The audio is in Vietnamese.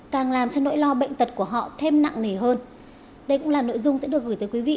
cảm ơn sự quan tâm theo dõi của quý vị